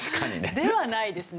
ではないですね。